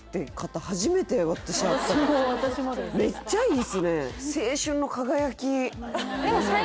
めっちゃいいっすね